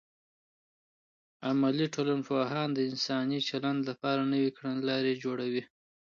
عملي ټولنپوهان د انساني چلند لپاره نوې کړنلارې جوړوي.